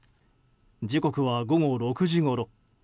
時刻は午後６時ごろ。